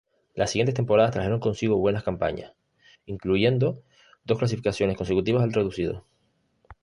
Las siguientes temporadas trajeron consigo buenas campañas, incluyendo dos clasificaciones consecutivas al Reducido.